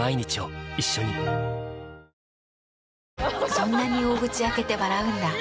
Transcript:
そんなに大口開けて笑うんだ。